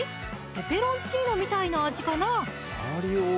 ペペロンチーノみたいな味かな？